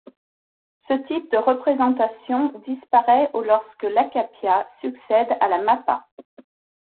Ce type de représentation disparaît au lorsque l'akakia succède à la mappa.